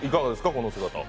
この姿は。